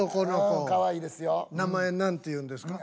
名前何ていうんですか？